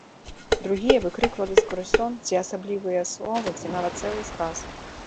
Другія выкрыквалі скрозь сон ці асаблівыя словы, ці нават цэлы сказ.